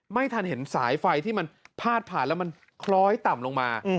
ไม่ทันเห็นสายไฟที่มันพาดผ่านแล้วมันคล้อยต่ำลงมา